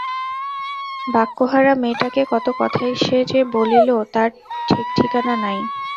বাক্যহারা মেয়েটাকে কত কথাই সে যে বলিল তার ঠিকঠকানা নাই।